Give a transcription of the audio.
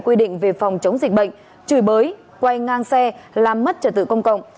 quy định về phòng chống dịch bệnh chửi bới quay ngang xe làm mất trật tự công cộng